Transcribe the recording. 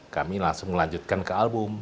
kami langsung melanjutkan ke album